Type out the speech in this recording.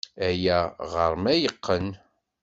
Aya ɣer-m ay yeqqen.